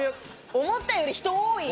思ったより人多い！